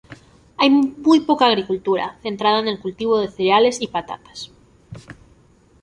Hay muy poca agricultura, centrada en el cultivo de cereales y patatas.